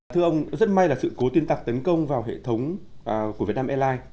thưa ông rất may là sự cố tiên tạc tấn công vào hệ thống của việt nam airlines